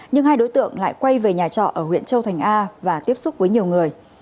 nhưng hai đối tượng lại quay về nhà trọ ở huyện châu thành a và tiếp xúc với nhiều người